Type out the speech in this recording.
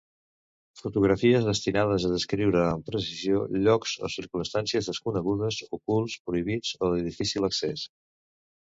Fotografies destinades a descriure amb precisió llocs o circumstàncies desconeguts, ocults, prohibits o de difícil accés.